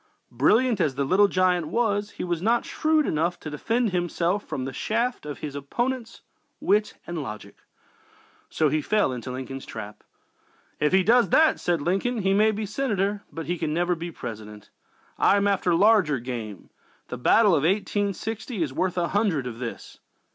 Brilliant as "the Little Giant" was, he was not shrewd enough to defend himself from the shafts of his opponent's wit and logic. So he fell into Lincoln's trap. "If he does that," said Lincoln, "he may be Senator, but he can never be President. I am after larger game. The battle of 1860 is worth a hundred of this."